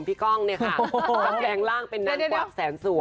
พี่ก้องเนี่ยค่ะตั้งแรงล่างเป็นนางกวัดแสนสวย